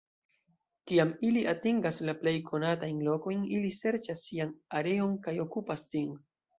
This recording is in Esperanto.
Kiam ili atingas la plej konatajn lokojn, ili serĉas sian areon kaj okupas ĝin.